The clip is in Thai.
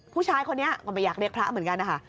ผู้ชายคนนี้ก็ไม่อยากเรียกพระเหมือนกันนะคะ